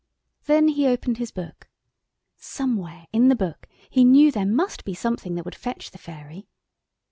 Then he opened his book. Somewhere in the book he knew there must be something that would fetch the fairy.